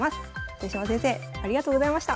豊島先生ありがとうございました。